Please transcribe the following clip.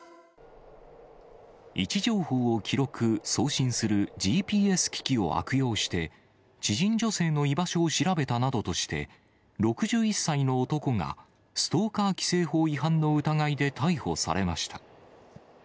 位置情報を記録・送信する、ＧＰＳ機器を悪用して、知人女性の居場所を調べたなどとして、６１歳の男がストーカー規制法違反の疑いで逮捕されました。